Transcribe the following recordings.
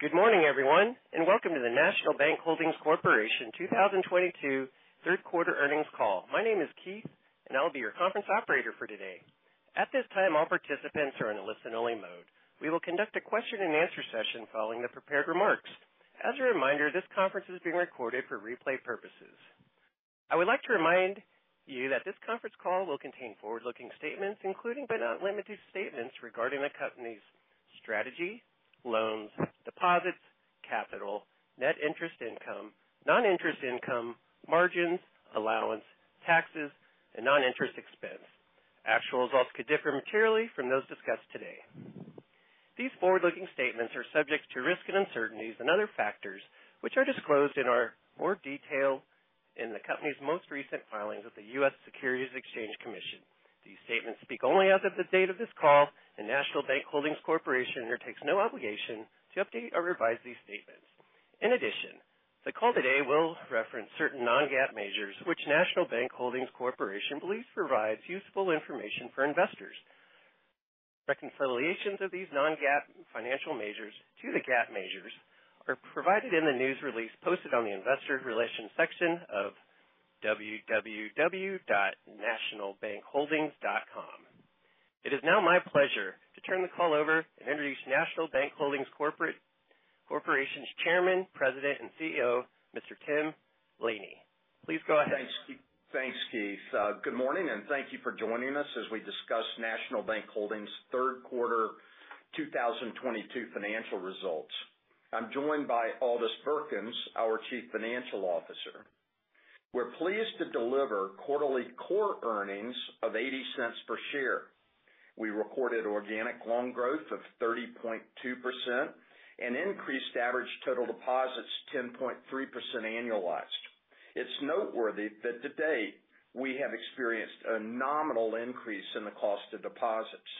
Good morning, everyone, and welcome to the National Bank Holdings Corporation 2022 Third Quarter Earnings Call. My name is Keith and I'll be your conference operator for today. At this time, all participants are in listen only mode. We will conduct a question and answer session following the prepared remarks. As a reminder, this conference is being recorded for replay purposes. I would like to remind you that this conference call will contain forward-looking statements, including but not limited to statements regarding the company's strategy, loans, deposits, capital, net interest income, non-interest income, margins, allowance, taxes, and non-interest expense. Actual results could differ materially from those discussed today. These forward-looking statements are subject to risks and uncertainties and other factors, which are disclosed in more detail in the company's most recent filings with the U.S. Securities and Exchange Commission. These statements speak only as of the date of this call, and National Bank Holdings Corporation undertakes no obligation to update or revise these statements. In addition, the call today will reference certain non-GAAP measures, which National Bank Holdings Corporation believes provides useful information for investors. Reconciliations of these non-GAAP financial measures to the GAAP measures are provided in the news release posted on the investor relations section of www.nationalbankholdings.com. It is now my pleasure to turn the call over and introduce National Bank Holdings Corporation's Chairman, President, and CEO, Mr. Tim Laney. Please go ahead. Thanks, Keith. Good morning and thank you for joining us as we discuss National Bank Holdings third quarter 2022 financial results. I'm joined by Aldis Birkans, our Chief Financial Officer. We're pleased to deliver quarterly core earnings of $0.80 per share. We recorded organic loan growth of 30.2% and increased average total deposits 10.3% annualized. It's noteworthy that to date, we have experienced a nominal increase in the cost of deposits.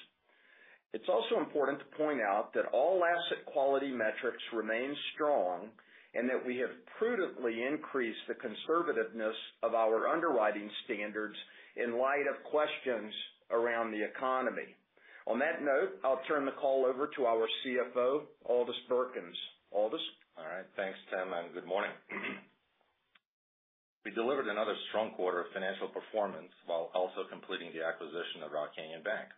It's also important to point out that all asset quality metrics remain strong, and that we have prudently increased the conservativeness of our underwriting standards in light of questions around the economy. On that note, I'll turn the call over to our CFO, Aldis Birkans. Aldis? All right, thanks, Tim, and good morning. We delivered another strong quarter of financial performance while also completing the acquisition of Rock Canyon Bank.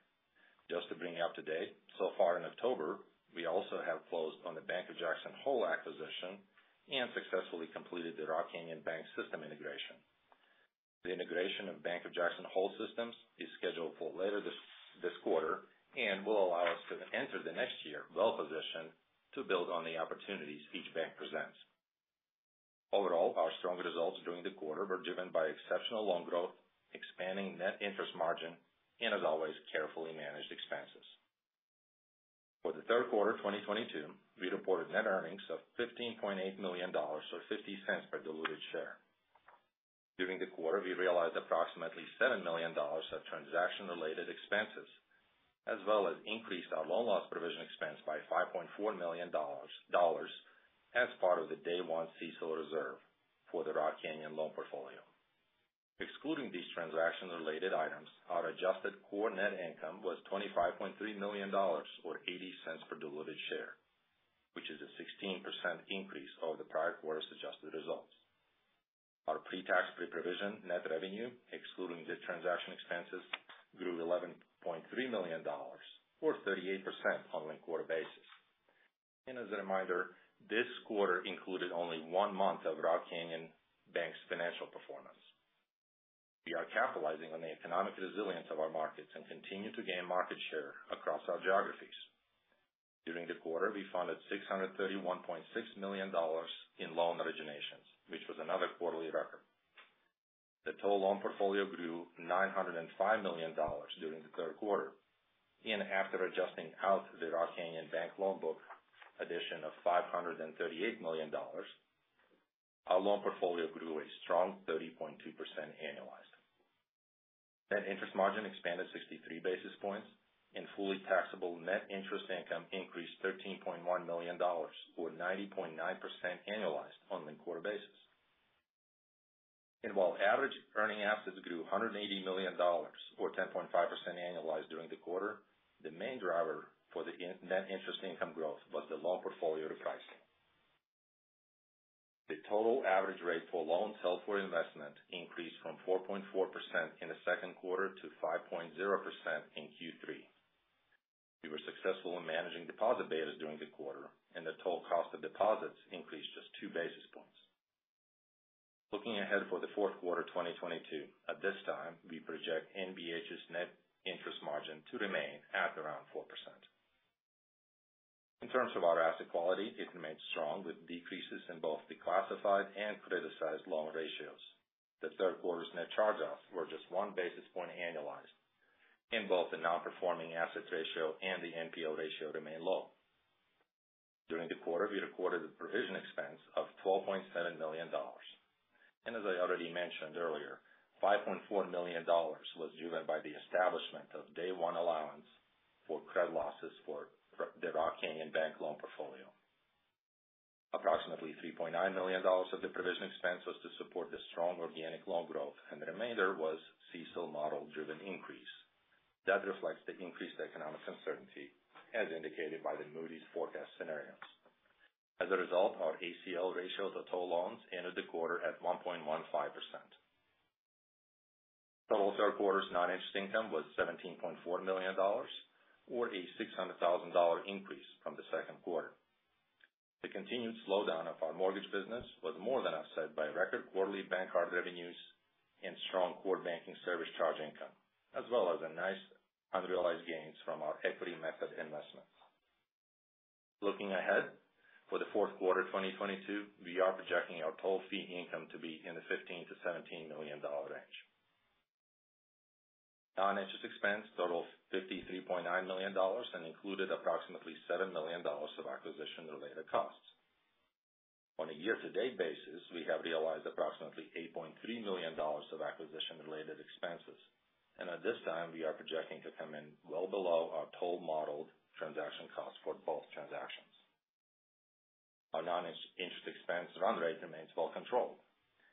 Just to bring you up to date, so far in October, we also have closed on the Bank of Jackson Hole acquisition and successfully completed the Rock Canyon Bank system integration. The integration of Bank of Jackson Hole systems is scheduled for later this quarter and will allow us to enter the next year well-positioned to build on the opportunities each bank presents. Overall, our strong results during the quarter were driven by exceptional loan growth, expanding net interest margin, and as always, carefully managed expenses. For the third quarter of 2022, we reported net earnings of $15.8 million, or $0.50 per diluted share. During the quarter, we realized approximately $7 million of transaction-related expenses, as well as increased our loan loss provision expense by $5.4 million as part of the day one CECL reserve for the Rock Canyon Bank loan portfolio. Excluding these transaction-related items, our adjusted core net income was $25.3 million, or $0.80 per diluted share, which is a 16% increase over the prior quarter's adjusted results. Our pre-tax, pre-provision net revenue, excluding the transaction expenses, grew $11.3 million, or 38% on linked-quarter basis. As a reminder, this quarter included only one month of Rock Canyon Bank's financial performance. We are capitalizing on the economic resilience of our markets and continue to gain market share across our geographies.. During the quarter, we funded $631.6 million in loan originations, which was another quarterly record. The total loan portfolio grew $905 million during the third quarter. After adjusting out the Rock Canyon Bank loan book addition of $538 million, our loan portfolio grew a strong 30.2% annualized. Net interest margin expanded 63 basis points and fully taxable net interest income increased $13.1 million or 90.9% annualized on linked quarter basis. While average earning assets grew $180 million or 10.5% annualized during the quarter, the main driver for the net interest income growth was the loan portfolio pricing. The total average rate for loans held for investment increased from 4.4% in the second quarter to 5.0% in Q3. We were successful in managing deposit betas during the quarter, and the total cost of deposits increased just 2 basis points. Looking ahead for the fourth quarter of 2022, at this time, we project NBH's net interest margin to remain at around 4%. In terms of our asset quality, it remains strong with decreases in both delinquent and criticized loan ratios. The third quarter's net charge-offs were just one basis point annualized, and both the non-performing assets ratio and the NPL ratio remain low. During the quarter, we recorded a provision expense of $12.7 million. As I already mentioned earlier, $5.4 million was driven by the establishment of day one allowance for credit losses for the Rock Canyon Bank loan portfolio. Approximately $3.9 million of the provision expense was to support the strong organic loan growth, and the remainder was CECL model-driven increase. That reflects the increased economic uncertainty as indicated by the Moody's forecast scenarios. As a result, our ACL ratio of total loans ended the quarter at 1.15%. Total third quarter's non-interest income was $17.4 million or a $600,000 increase from the second quarter. The continued slowdown of our mortgage business was more than offset by record quarterly bank card revenues and strong core banking service charge income, as well as a nice unrealized gains from our equity method investments. Looking ahead for the fourth quarter 2022, we are projecting our total fee income to be in the $15 million-$17 million range. Non-interest expense totaled $53.9 million and included approximately $7 million of acquisition related costs. On a year-to-date basis, we have realized approximately $8.3 million of acquisition related expenses. At this time, we are projecting to come in well below our total modeled transaction costs for both transactions. Our non-interest expense run rate remains well controlled.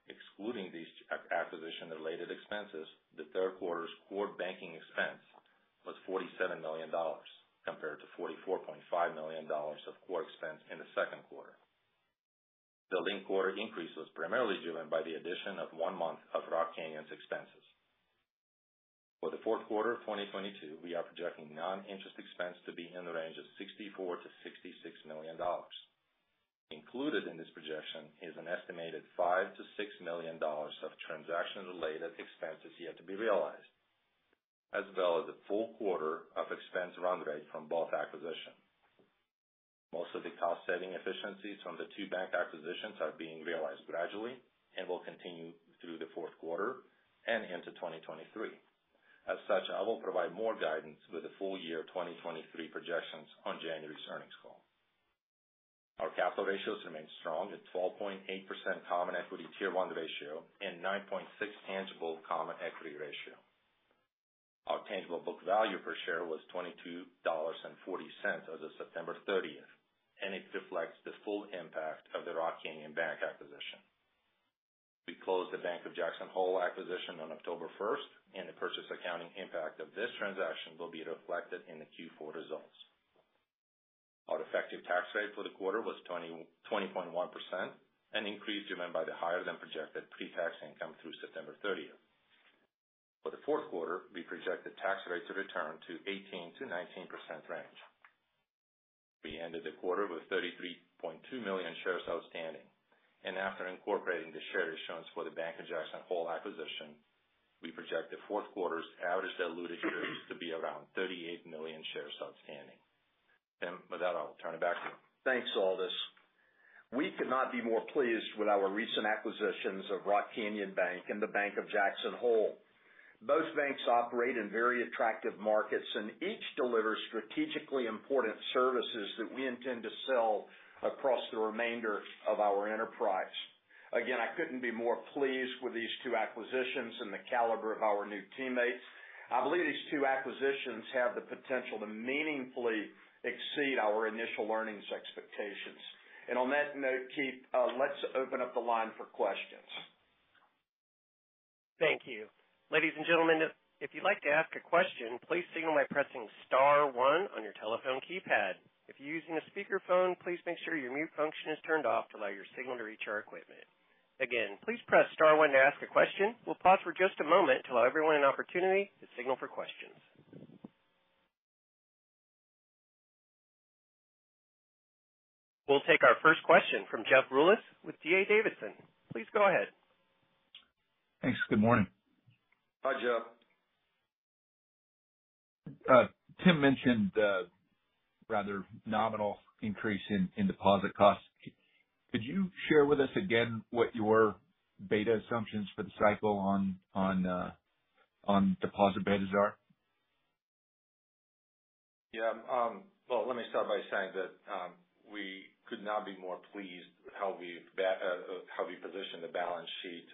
Excluding these acquisition related expenses, the third quarter's core banking expense was $47 million compared to $44.5 million of core expense in the second quarter. The linked quarter increase was primarily driven by the addition of one month of Rock Canyon's expenses. For the fourth quarter of 2022, we are projecting non-interest expense to be in the range of $64 million-$66 million. Included in this projection is an estimated $5 million-$6 million of transaction related expenses yet to be realized, as well as a full quarter of expense run rate from both acquisitions. Most of the cost-saving efficiencies from the two bank acquisitions are being realized gradually and will continue through the fourth quarter and into 2023. As such, I will provide more guidance with the full year 2023 projections on January's earnings call. Our capital ratios remain strong at 12.8% Common Equity Tier 1 ratio and 9.6% tangible common equity ratio. Our tangible book value per share was $22.40 as of September 30th, and it reflects the full impact of the Rock Canyon Bank acquisition. We closed the Bank of Jackson Hole acquisition on October 1st, and the purchase accounting impact of this transaction will be reflected in the Q4 results. Our effective tax rate for the quarter was 20.1%, an increase driven by the higher than projected pre-tax income through September 30th. For the fourth quarter, we project the tax rate to return to 18%-19% range. We ended the quarter with 33.2 million shares outstanding. After incorporating the shares issuance for the Bank of Jackson Hole acquisition, we project the fourth quarter's average diluted shares to be around 38 million shares outstanding. With that, I'll turn it back to you. Thanks, Aldis. We could not be more pleased with our recent acquisitions of Rock Canyon Bank and Bank of Jackson Hole. Both banks operate in very attractive markets, and each delivers strategically important services that we intend to sell across the remainder of our enterprise. Again, I couldn't be more pleased with these two acquisitions and the caliber of our new teammates. I believe these two acquisitions have the potential to meaningfully exceed our initial earnings expectations. On that note, Keith, let's open up the line for questions. Thank you. Ladies and gentlemen, if you'd like to ask a question, please signal by pressing star one on your telephone keypad. If you're using a speakerphone, please make sure your mute function is turned off to allow your signal to reach our equipment. Again, please press star one to ask a question. We'll pause for just a moment to allow everyone an opportunity to signal for questions. We'll take our first question from Jeff Rulis with D.A. Davidson. Please go ahead. Thanks. Good morning. Hi, Jeff. Tim mentioned the rather nominal increase in deposit costs. Could you share with us again what your beta assumptions for the cycle on deposit betas are? Yeah. Well, let me start by saying that we could not be more pleased with how we've positioned the balance sheet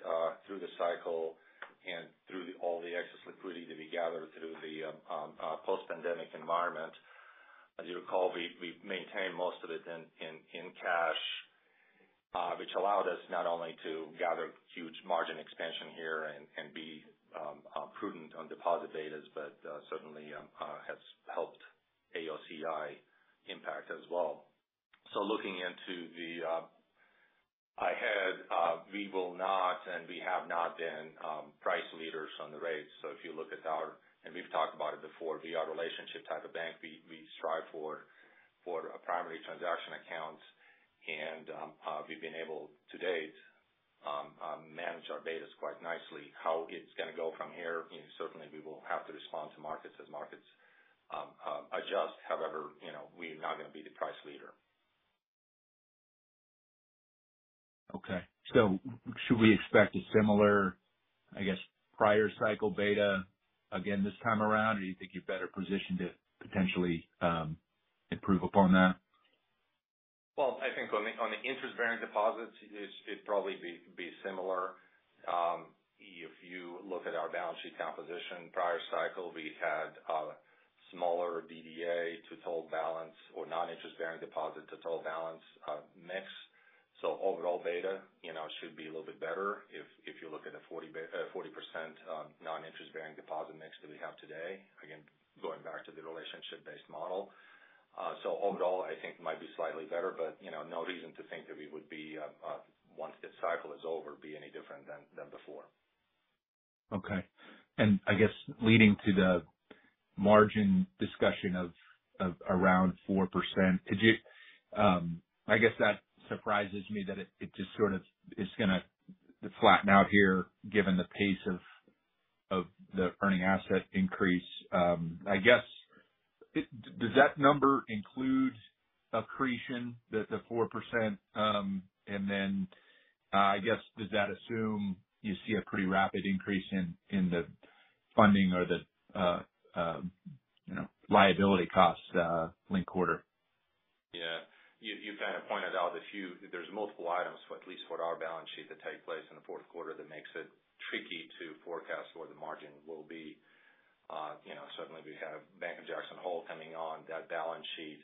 through the cycle and through all the excess liquidity that we gathered through the post-pandemic environment. As you recall, we maintained most of it in cash, which allowed us not only to gather huge margin expansion here and be prudent on deposit betas, but certainly has helped AOCI impact as well. Looking ahead, we will not and we have not been price leaders on the rates. If you look at our, we've talked about it before, via our relationship type of bank, we strive for a primary transaction accounts and we've been able to date manage our betas quite nicely. How it's gonna go from here, you know, certainly we will have to respond to markets as markets adjust. However, you know, we're not gonna be the price leader. Okay. Should we expect a similar, I guess, prior cycle beta again this time around? Or do you think you're better positioned to potentially improve upon that? Well, I think on the interest-bearing deposits, it'd probably be similar. If you look at our balance sheet composition, prior cycle, we had smaller DDA to total balance or noninterest-bearing deposit to total balance mix. Overall beta, you know, should be a little bit better if you look at the 40% noninterest-bearing deposit mix that we have today. Again, going back to the relationship-based model. Overall, I think might be slightly better, but you know, no reason to think that we would once this cycle is over be any different than before. Okay. I guess leading to the margin discussion of around 4%, could you? I guess that surprises me that it just sort of is gonna flatten out here given the pace of the earning asset increase. I guess does that number include accretion the 4%? I guess, does that assume you see a pretty rapid increase in the funding or the you know, liability costs linked quarter? Yeah. You kind of pointed out a few. There's multiple items for at least for our balance sheet that take place in the fourth quarter that makes it tricky to forecast where the margin will be. You know, certainly we have Bank of Jackson Hole coming on that balance sheet.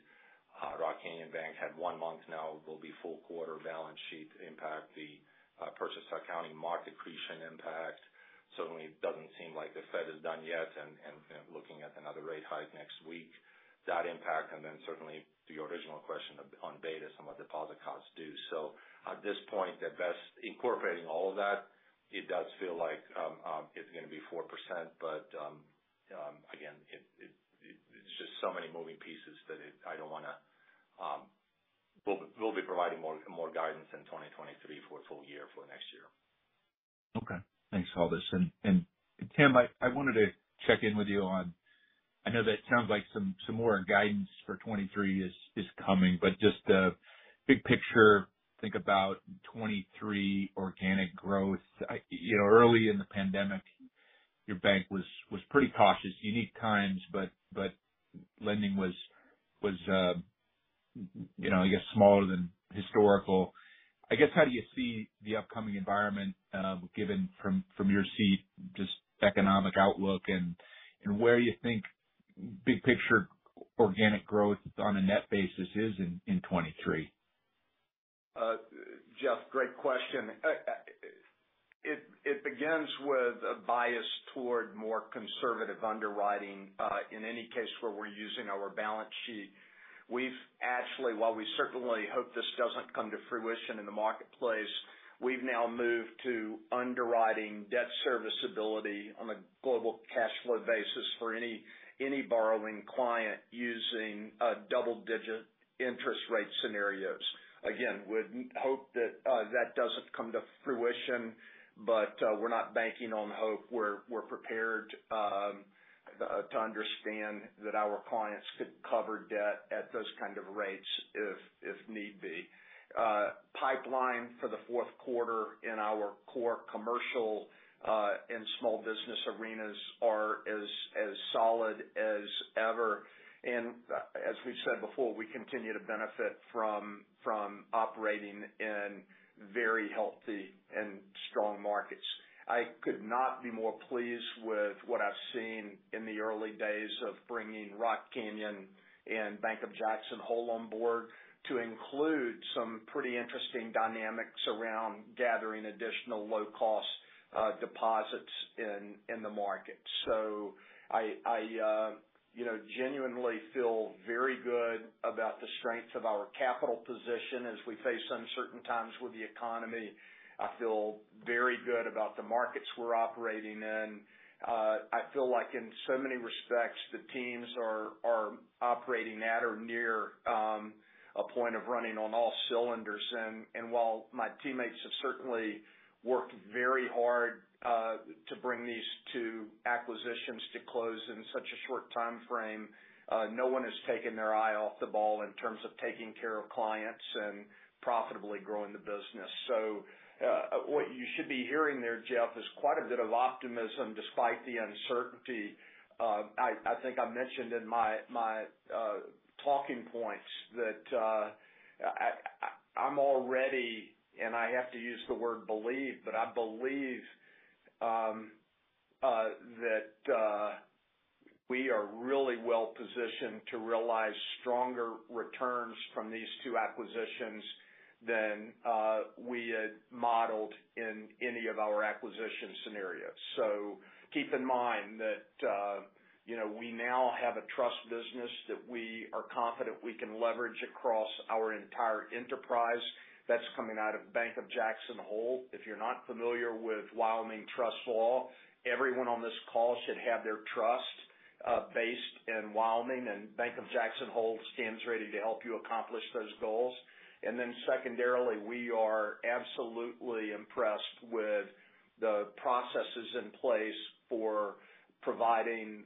Rock Canyon Bank had one month now, will be full quarter balance sheet impact, the purchase accounting mark accretion impact. Certainly doesn't seem like the Fed is done yet and looking at another rate hike next week. That impact, and then certainly to your original question on beta, some of deposit costs due. At this point, at best, incorporating all of that, it does feel like it's gonna be 4%. Again, it's just so many moving pieces that it. I don't wanna. We'll be providing more guidance in 2023 for a full year for next year. Okay. Thanks, Aldis. Tim, I wanted to check in with you on. I know that it sounds like some more guidance for 2023 is coming, but just a big picture think about 2023 organic growth. You know, early in the pandemic, your bank was pretty cautious. Unique times, but lending was, you know, I guess smaller than historical. I guess, how do you see the upcoming environment, given from your seat, just economic outlook and where you think big picture organic growth on a net basis is in 2023? Jeff, great question. It begins with a bias toward more conservative underwriting in any case where we're using our balance sheet. We've actually, while we certainly hope this doesn't come to fruition in the marketplace, we've now moved to underwriting debt serviceability on a global cash flow basis for any borrowing client using a double-digit interest rate scenarios. Again, would hope that doesn't come to fruition, but we're not banking on hope. We're prepared to understand that our clients could cover debt at those kind of rates if need be. Pipeline for the fourth quarter in our core commercial and small business arenas are as solid as ever. As we've said before, we continue to benefit from operating in very healthy and strong markets. I could not be more pleased with what I've seen in the early days of bringing Rock Canyon Bank and Bank of Jackson Hole on board to include some pretty interesting dynamics around gathering additional low-cost deposits in the market. I genuinely feel very good about the strengths of our capital position as we face uncertain times with the economy. I feel very good about the markets we're operating in. I feel like in so many respects, the teams are operating at or near a point of running on all cylinders. While my teammates have certainly worked very hard to bring these two acquisitions to close in such a short time frame, no one has taken their eye off the ball in terms of taking care of clients and profitably growing the business. What you should be hearing there, Jeff, is quite a bit of optimism despite the uncertainty. I think I mentioned in my talking points that I'm already, and I have to use the word believe, but I believe that we are really well positioned to realize stronger returns from these two acquisitions than we had modeled in any of our acquisition scenarios. Keep in mind that you know we now have a trust business that we are confident we can leverage across our entire enterprise that's coming out of Bank of Jackson Hole. If you're not familiar with Wyoming Trust Law, everyone on this call should have their trust based in Wyoming and Bank of Jackson Hole stands ready to help you accomplish those goals. Secondarily, we are absolutely impressed with the processes in place for providing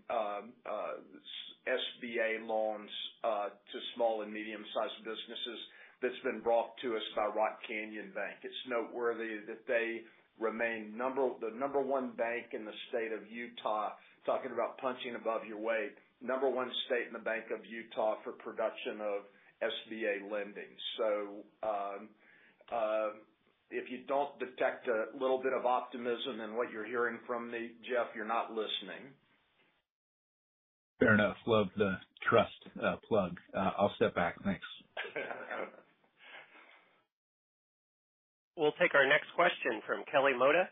SBA loans to small and medium-sized businesses that's been brought to us by Rock Canyon Bank. It's noteworthy that they remain the number one bank in the state of Utah. Talking about punching above your weight. Number one in the state of Utah for production of SBA lending. If you don't detect a little bit of optimism in what you're hearing from me, Jeff, you're not listening. Fair enough. Love the trust, plug. I'll step back. Thanks. We'll take our next question from Kelly Motta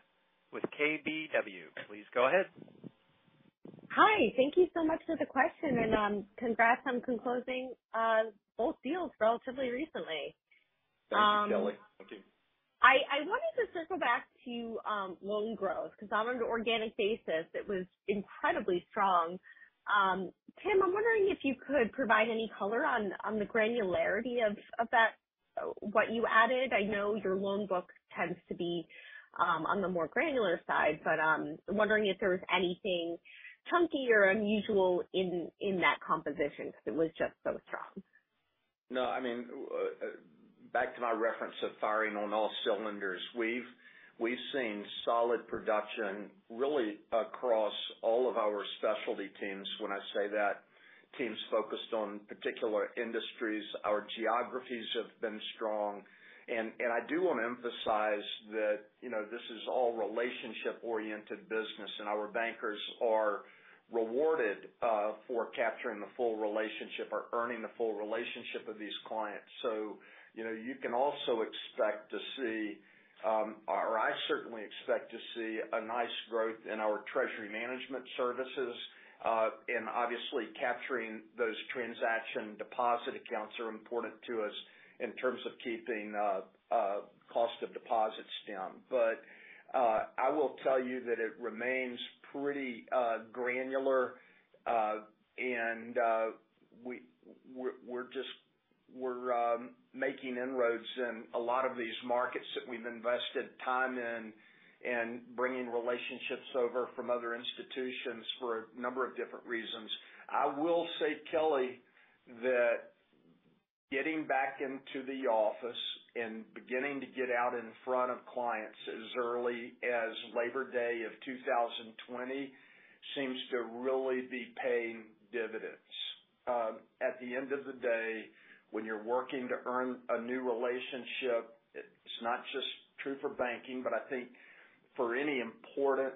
with KBW. Please go ahead. Hi. Thank you so much for the question and, congrats on closing both deals relatively recently. Thank you, Kelly. Thank you. I wanted to circle back to loan growth because on an organic basis, it was incredibly strong. Tim, I'm wondering if you could provide any color on the granularity of that, what you added. I know your loan book tends to be on the more granular side, but wondering if there was anything chunky or unusual in that composition because it was just so strong. No, I mean, back to my reference of firing on all cylinders. We've seen solid production really across all of our specialty teams. When I say that, teams focused on particular industries. Our geographies have been strong. I do want to emphasize that, you know, this is all relationship-oriented business, and our bankers are rewarded for capturing the full relationship or earning the full relationship with these clients. You know, you can also expect to see, or I certainly expect to see a nice growth in our treasury management services. Obviously capturing those transaction deposit accounts are important to us in terms of keeping cost of deposits down. I will tell you that it remains pretty granular. We're just making inroads in a lot of these markets that we've invested time in and bringing relationships over from other institutions for a number of different reasons. I will say, Kelly, that getting back into the office and beginning to get out in front of clients as early as Labor Day of 2020 seems to really be paying dividends. At the end of the day, when you're working to earn a new relationship, it's not just true for banking, but I think for any important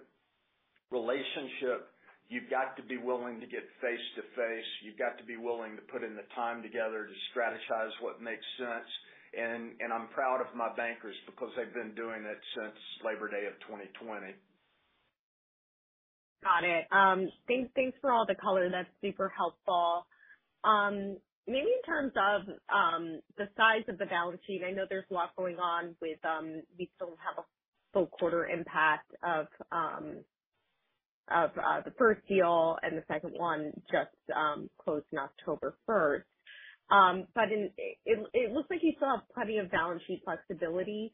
relationship, you've got to be willing to get face to face. You've got to be willing to put in the time together to strategize what makes sense. I'm proud of my bankers because they've been doing it since Labor Day of 2020. Got it. Thanks for all the color. That's super helpful. Maybe in terms of the size of the balance sheet, I know there's a lot going on with we still have a full quarter impact of the first deal and the second one just closed on October 1st. But it looks like you still have plenty of balance sheet flexibility.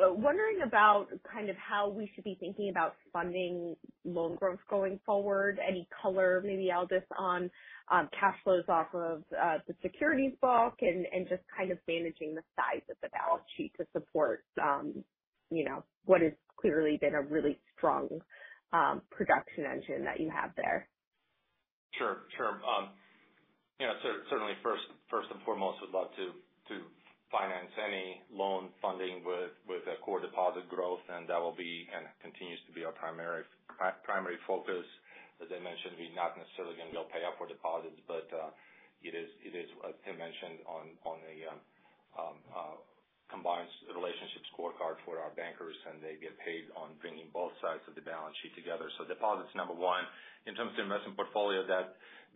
Wondering about kind of how we should be thinking about funding loan growth going forward. Any color maybe, Aldis, on cash flows off of the securities book and just kind of managing the size of the balance sheet to support you know what has clearly been a really strong production engine that you have there. Sure. You know, certainly first and foremost, we'd love to finance any loan funding with a core deposit growth, and that will be and continues to be our primary focus. As I mentioned, we're not necessarily going to go pay up for deposits, but it is, as Tim mentioned on the combined relationships scorecard for our bankers, and they get paid on bringing both sides of the balance sheet together. Deposit's number one. In terms of investment portfolio,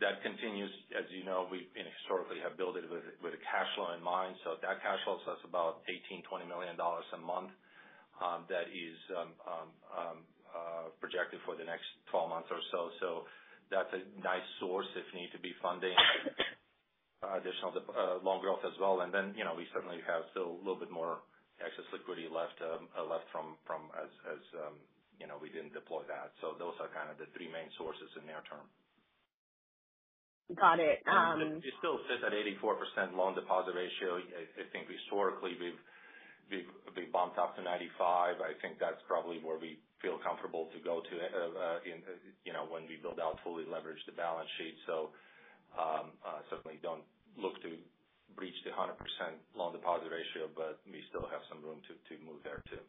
that continues. As you know, we historically have built it with a cash flow in mind. That cash flow is about $18-$20 million a month, that is projected for the next 12 months or so. That's a nice source if you need to be funding additional loan growth as well. Then, you know, we certainly have still a little bit more excess liquidity left from as you know we didn't deploy that. Those are kind of the three main sources in near term. Got it. We still sit at 84% loan deposit ratio. I think historically we've bumped up to 95. I think that's probably where we feel comfortable to go to, you know, when we build out fully leverage the balance sheet. Certainly don't look to reach the 100% loan deposit ratio, but we still have some room to move there too.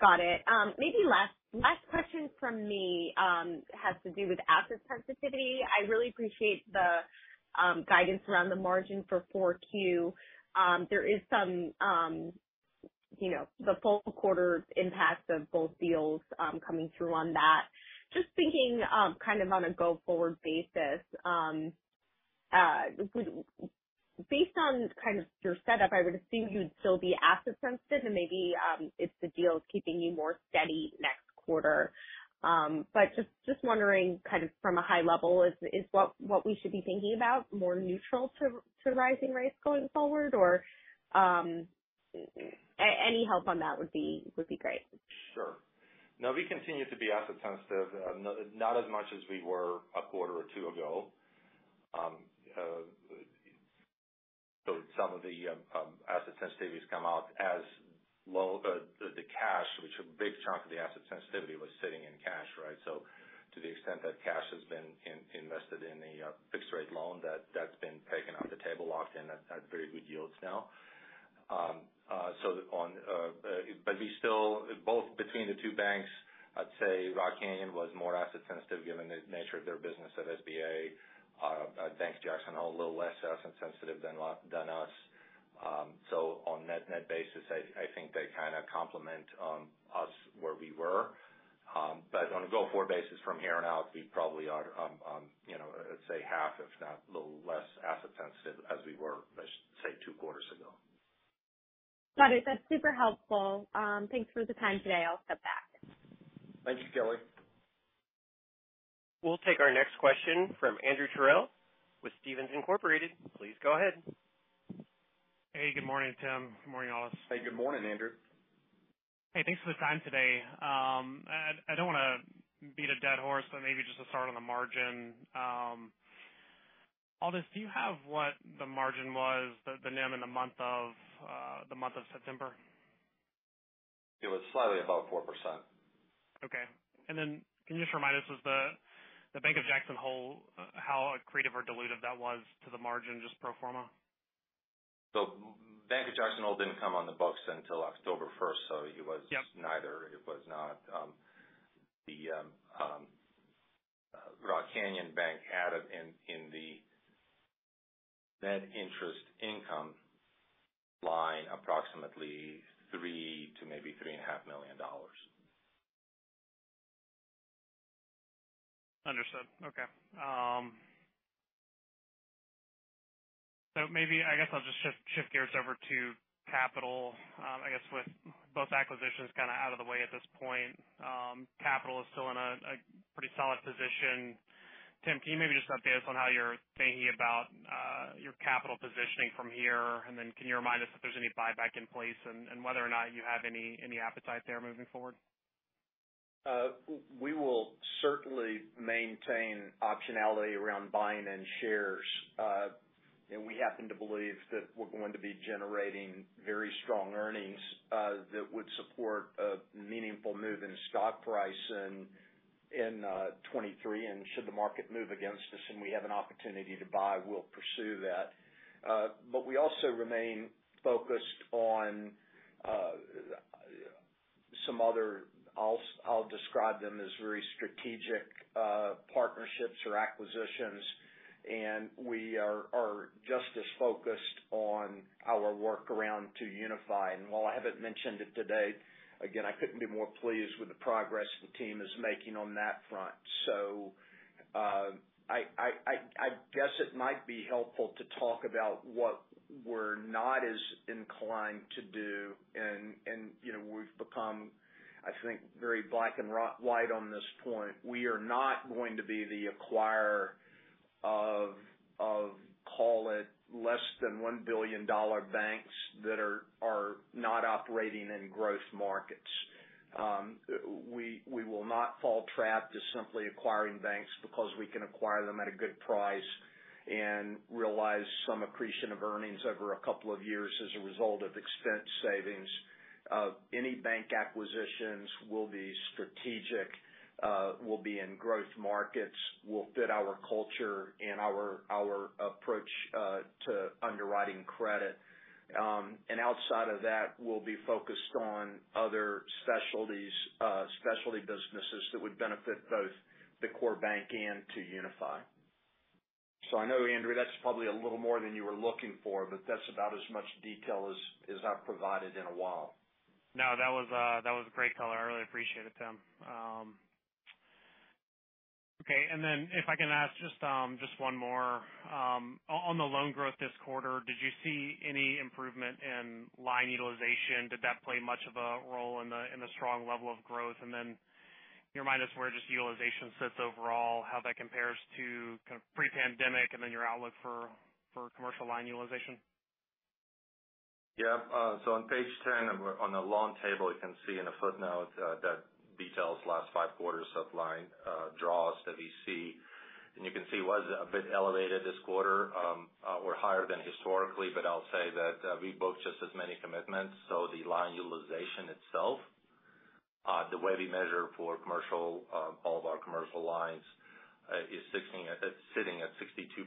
Got it. Maybe last question from me has to do with asset sensitivity. I really appreciate the guidance around the margin for 4Q. There is some, you know, the full quarter impact of both deals coming through on that. Just thinking kind of on a go-forward basis, based on kind of your setup, I would assume you'd still be asset sensitive and maybe if the deal is keeping you more steady next quarter. But just wondering kind of from a high level is what we should be thinking about more neutral to rising rates going forward or any help on that would be great. Sure. No, we continue to be asset sensitive, not as much as we were a quarter or two ago. Some of the asset sensitivity has come off as the cash, which a big chunk of the asset sensitivity was sitting in cash, right? To the extent that cash has been invested in a fixed rate loan, that's been taken off the table, locked in at very good yields now. We still both between the two banks, I'd say Rock Canyon was more asset sensitive given the nature of their business at SBA. Bank of Jackson Hole, a little less asset sensitive than us. On net basis, I think they kind of complement us where we were. On a go-forward basis from here on out, we probably are, you know, let's say half if not a little less asset sensitive as we were, let's say, two quarters ago. Got it. That's super helpful. Thanks for the time today. I'll step back. Thank you, Kelly. We'll take our next question from Andrew Terrell with Stephens Inc. Please go ahead. Hey, good morning, Tim. Good morning, Aldis. Hey, good morning, Andrew. Hey, thanks for the time today. I don't wanna beat a dead horse, but maybe just to start on the margin. Aldis, do you have what the margin was, the NIM in the month of September? It was slightly above 4%. Okay. Can you just remind us with the Bank of Jackson Hole, how accretive or dilutive that was to the margin, just pro forma? Bank of Jackson Hole didn't come on the books until October first. Yep. Neither. It was not Rock Canyon Bank added in the net interest income line approximately $3 million to maybe $3.5 million. Understood. Okay. Maybe I guess I'll just shift gears over to capital. I guess with both acquisitions kinda out of the way at this point, capital is still in a pretty solid position. Tim, can you maybe just update us on how you're thinking about your capital positioning from here? Can you remind us if there's any buyback in place and whether or not you have any appetite there moving forward? We will certainly maintain optionality around buying in shares. We happen to believe that we're going to be generating very strong earnings that would support a meaningful move in stock price in 2023. Should the market move against us and we have an opportunity to buy, we'll pursue that. But we also remain focused on some other. I'll describe them as very strategic partnerships or acquisitions, and we are just as focused on our work around 2UniFi. While I haven't mentioned it today, again, I couldn't be more pleased with the progress the team is making on that front. I guess it might be helpful to talk about what we're not as inclined to do. You know, we've become, I think, very black and white on this point. We are not going to be the acquirer of call it less than $1 billion banks that are not operating in growth markets. We will not fall into the trap of simply acquiring banks because we can acquire them at a good price and realize some accretion of earnings over a couple of years as a result of expense savings. Any bank acquisitions will be strategic, will be in growth markets, will fit our culture and our approach to underwriting credit. Outside of that, we'll be focused on other specialties, specialty businesses that would benefit both the core bank and 2UniFi. I know, Andrew, that's probably a little more than you were looking for, but that's about as much detail as I've provided in a while. No, that was a great color. I really appreciate it, Tim. If I can ask just one more. On the loan growth this quarter, did you see any improvement in line utilization? Did that play much of a role in the strong level of growth? Can you remind us where just utilization sits overall, how that compares to kind of pre-pandemic, and then your outlook for commercial line utilization? Yeah. On page 10 on the loan table, you can see in a footnote that details last five quarters of line draws that we see. You can see it was a bit elevated this quarter, or higher than historically, but I'll say that we booked just as many commitments. The line utilization itself, the way we measure for commercial, all of our commercial lines, is sitting at 62%,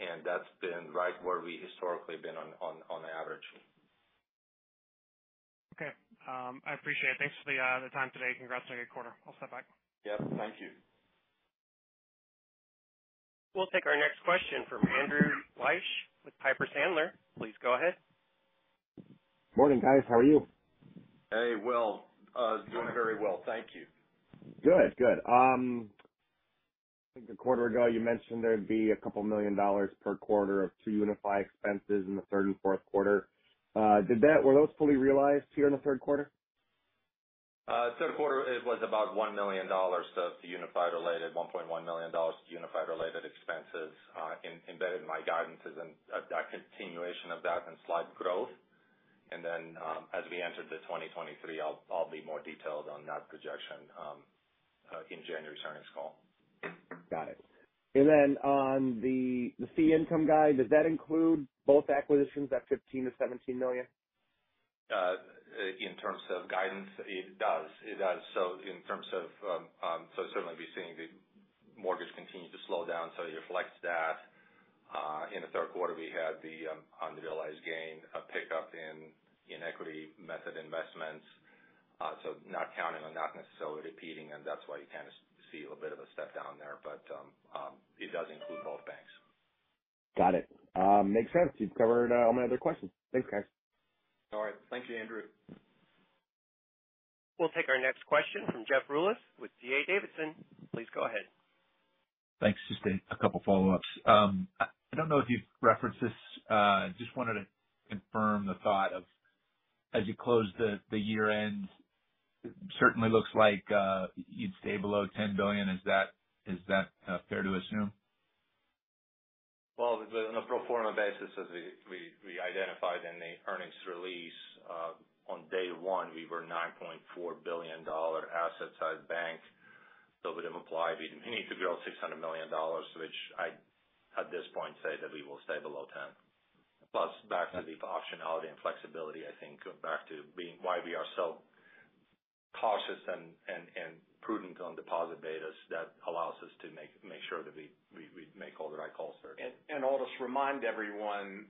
and that's been right where we historically been on average. Okay. I appreciate it. Thanks for the time today. Congrats on a good quarter. I'll step back. Yep. Thank you. We'll take our next question from Andrew Liesch with Piper Sandler. Please go ahead. Morning, guys. How are you? Hey, well, doing very well, thank you. Good. Good. I think a quarter ago you mentioned there'd be a couple million dollars per quarter of 2UniFi expenses in the third and fourth quarter. Were those fully realized here in the third quarter? Third quarter it was about $1 million of 2UniFi-related, $1.1 million 2UniFi-related expenses. Embedded in my guidance is a continuation of that and slight growth. As we enter 2023 I'll be more detailed on that projection in January's earnings call. Got it. On the fee income guide, does that include both acquisitions, that $15 million-$17 million? In terms of guidance, it does. In terms of, certainly we've seen the mortgage continue to slow down, so it reflects that. In the third quarter, we had the unrealized gain, a pickup in equity method investments. Not counting or not necessarily repeating, and that's why you kind of see a bit of a step down there. It does include both banks. Got it. Makes sense. You've covered all my other questions. Thanks, guys. All right. Thank you, Andrew. We'll take our next question from Jeff Rulis with D.A. Davidson. Please go ahead. Thanks. Just a couple follow-ups. I don't know if you've referenced this, just wanted to confirm the thought of as you close the year-end, it certainly looks like you'd stay below 10 billion. Is that fair to assume? On a pro forma basis, as we identified in the earnings release, on day one, we were $9.4 billion asset-size bank. It would imply we'd need to build $600 million, which I'd, at this point, say that we will stay below 10. Plus, back to the optionality and flexibility, I think back to being why we are so cautious and prudent on deposit betas that allows us to make sure that we make all the right calls there. I'll just remind everyone,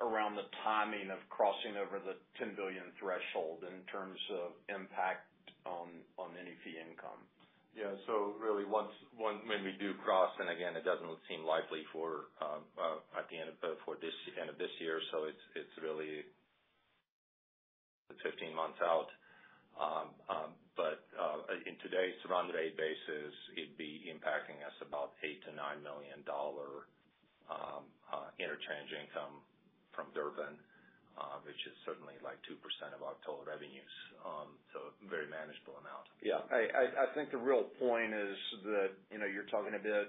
around the timing of crossing over the 10 billion threshold in terms of impact on any fee income. Yeah. Really once we do cross, and again, it doesn't seem likely at the end of this year, it's really the 15 months out. But in today's run rate basis, it'd be impacting us about $8-$9 million dollar interchange income from Durbin, which is certainly like 2% of our total revenues. Very manageable amount. Yeah. I think the real point is that, you know, you're talking a bit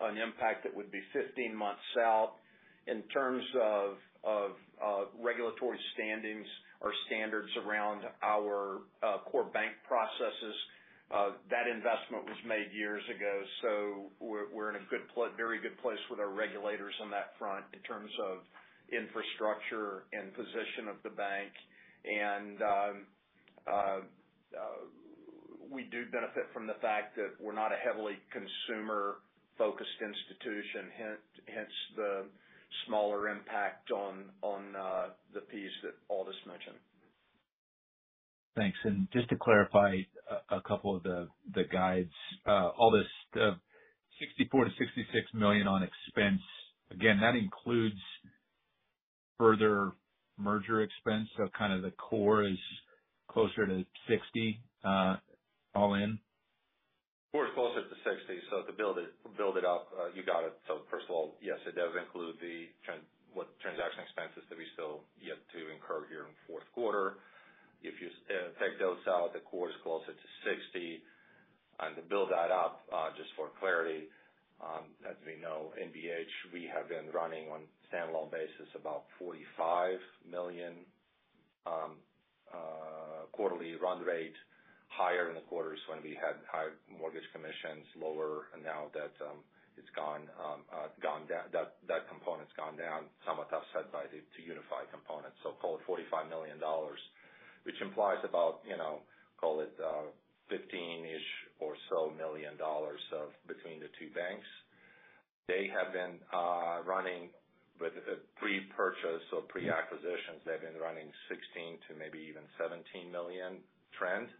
on the impact that would be 15 months out. In terms of regulatory standings or standards around our core bank processes, that investment was made years ago. We're in a very good place with our regulators on that front in terms of infrastructure and position of the bank. We do benefit from the fact that we're not a heavily consumer-focused institution, and hence the smaller impact on the piece that Aldis mentioned. Thanks. Just to clarify a couple of the guides. Aldis, the $64 million-$66 million on expense, again, that includes further merger expense, so kind of the core is closer to $60 million, all in? Core is closer to 60. To build it up, you got it. First of all, yes, it does include the transaction expenses that we still yet to incur here in fourth quarter. If you take those out, the core is closer to 60. To build that up, just for clarity, as we know, NBH, we have been running on standalone basis about $45 million quarterly run rate higher in the quarters when we had higher mortgage commissions, lower now that it's gone, that component's gone down, somewhat offset by the 2UniFi components, so call it $45 million. Which implies about, you know, call it 15-ish or so million dollars between the two banks. They have been running with the pre-purchase or pre-acquisitions. They've been running $16 million to maybe even $17 million trend.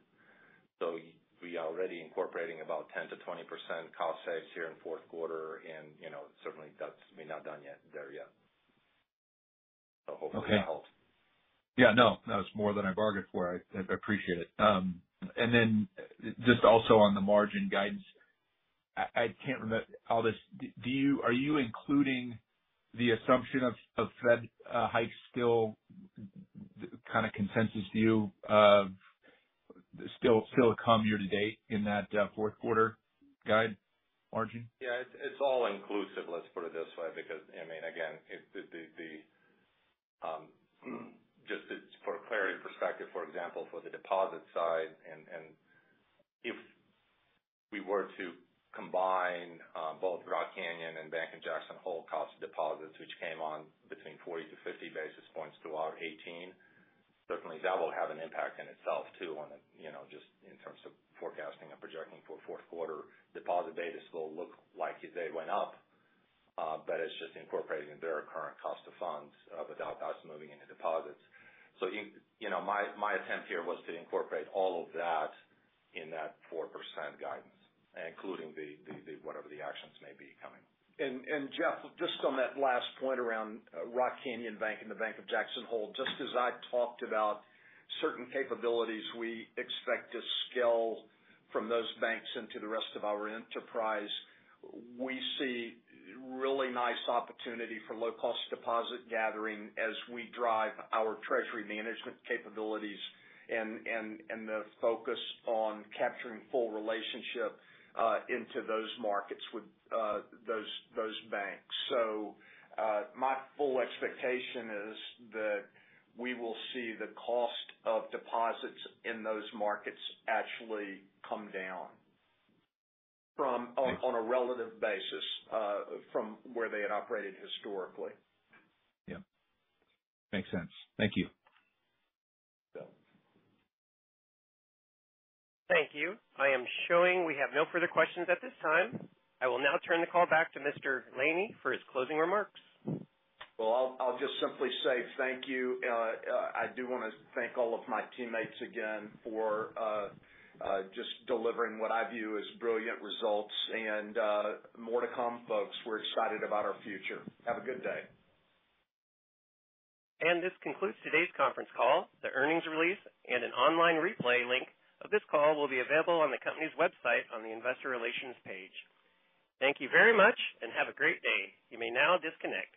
We are already incorporating about 10%-20% cost saves here in fourth quarter. You know, certainly that's maybe not done yet, there yet. Hopefully that helps. Yeah, no. No, it's more than I bargained for. I appreciate it. Just also on the margin guidance, I can't remember. Aldis, are you including the assumption of Fed hikes still kind of consensus view of still to come year to date in that fourth quarter guide margin? Yeah. It's all inclusive. Let's put it this way, because I mean, again, it's for clarity perspective. For example, for the deposit side and if we were to combine both Rock Canyon Bank and Bank of Jackson Hole core deposits, which came on between 40-50 basis points throughout 2018, certainly that will have an impact in itself too, you know, just in terms of forecasting and projecting for the fourth quarter. Deposit betas will look like they went up, but it's just incorporating their current cost of funds without us moving into deposits. You know, my attempt here was to incorporate all of that in that 4% guidance, including the whatever the actions may be coming. Jeff, just on that last point around Rock Canyon Bank and the Bank of Jackson Hole, just as I talked about certain capabilities we expect to scale from those banks into the rest of our enterprise, we see really nice opportunity for low cost deposit gathering as we drive our treasury management capabilities and the focus on capturing full relationship into those markets with those banks. My full expectation is that we will see the cost of deposits in those markets actually come down from- Yeah. On a relative basis, from where they had operated historically. Yeah. Makes sense. Thank you. Yeah. Thank you. I am showing we have no further questions at this time. I will now turn the call back to Mr. Laney for his closing remarks. Well, I'll just simply say thank you. I do wanna thank all of my teammates again for just delivering what I view as brilliant results. More to come, folks. We're excited about our future. Have a good day. This concludes today's conference call. The earnings release and an online replay link of this call will be available on the company's website on the Investor Relations page. Thank you very much and have a great day. You may now disconnect.